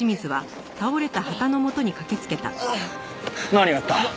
何があった？